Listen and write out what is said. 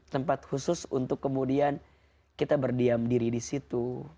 tempat khusus untuk kemudian kita berdiam diri di situ